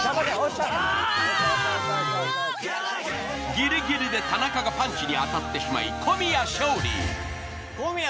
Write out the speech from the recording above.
ギリギリで田中がパンチに当たってしまい小宮勝利。